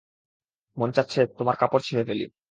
মন চাচ্ছে তোমার কাপড় ছিঁড়ে ফেলি!